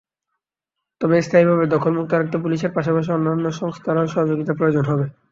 তবে স্থায়ীভাবে দখলমুক্ত রাখতে পুলিশের পাশাপাশি অন্যান্য সংস্থারও সহযোগিতা প্রয়োজন হবে।